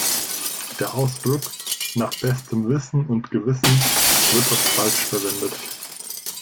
Der Ausdruck "nach bestem Wissen und Gewissen" wird oft falsch verwendet